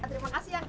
terima kasih ya mbak